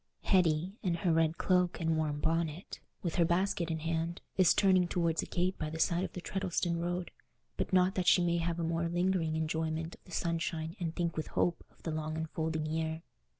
Hetty, in her red cloak and warm bonnet, with her basket in her hand, is turning towards a gate by the side of the Treddleston road, but not that she may have a more lingering enjoyment of the sunshine and think with hope of the long unfolding year.